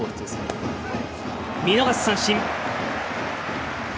見逃し三振。